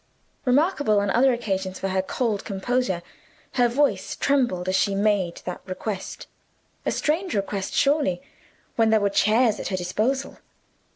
Remarkable on other occasions for her cold composure, her voice trembled as she made that request a strange request surely, when there were chairs at her disposal.